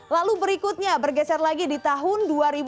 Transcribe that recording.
lalu berikutnya bergeser lagi di tahun dua ribu delapan